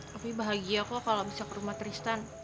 tapi bahagia kok kalau bisa ke rumah tristan